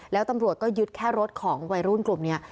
แล้วตำรวจก็ยึดแค่รถของวัยรุ่นกลุ่มนี้